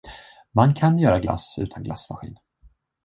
Man kan göra glass utan glassmaskin.